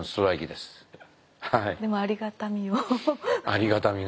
でもありがたみを。